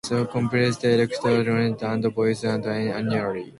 The commissioners elect a chairman and vice-chairman annually.